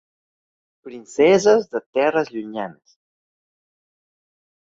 "Princeses de terres llunyanes"